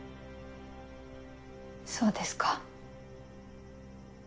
そうですか。